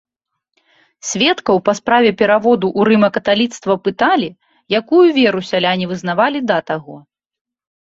Сведкаў па справе пераводу ў рыма-каталіцтва пыталі, якую веру сяляне вызнавалі да таго.